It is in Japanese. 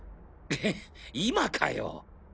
へ今かよ！？